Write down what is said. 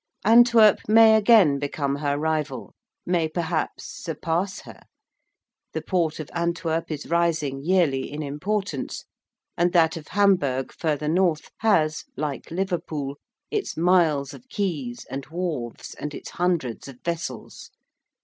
Antwerp may again become her rival: may perhaps surpass her; the port of Antwerp is rising yearly in importance: and that of Hamburg further north, has, like Liverpool, its miles of quays and wharves and its hundreds of vessels.